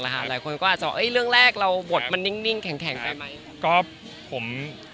หลายคนก็อาจจะว่าเรื่องแรกเราบทมันนิ่งแข็งไปไหม